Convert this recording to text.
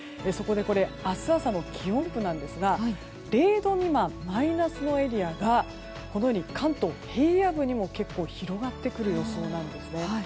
そこで、明日朝の気温分布なんですが０度未満、マイナスのエリアが関東平野部にも結構広がってくる予想なんです。